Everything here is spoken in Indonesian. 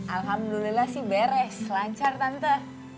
alhamdulillah sih beres lancar tante